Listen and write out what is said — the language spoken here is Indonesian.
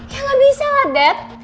ya gak bisa lah dead